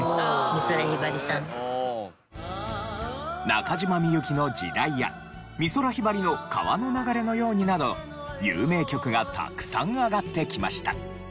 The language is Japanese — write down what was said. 中島みゆきの『時代』や美空ひばりの『川の流れのように』など有名曲がたくさん挙がってきました。